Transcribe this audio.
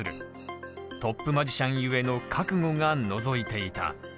トップマジシャンゆえの覚悟がのぞいていた。